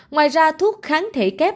ngoài ra thuốc kháng thể kép